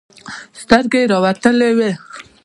سترگې يې راوتلې وې.